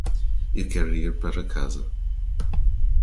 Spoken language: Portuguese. Eu quero ir para casa.